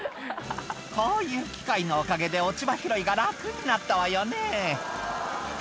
「こういう機械のおかげで落ち葉拾いが楽になったわよね」って